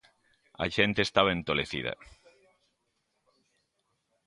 A xente estaba entolecida.